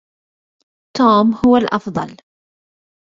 توم هو الأفضل.